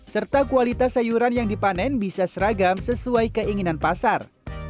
serta kualitas sayuran yang dipanen bisa seragam sesuai keinginan pasar